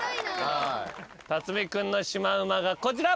辰巳君のシマウマがこちら。